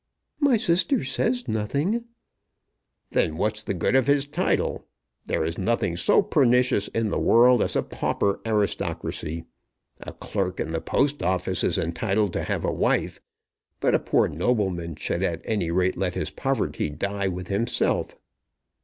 "My sister says nothing." "Then what's the good of his title. There is nothing so pernicious in the world as a pauper aristocracy. A clerk in the Post Office is entitled to have a wife, but a poor nobleman should at any rate let his poverty die with himself."